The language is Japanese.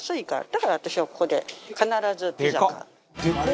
だから私はここで必ずピザ買う。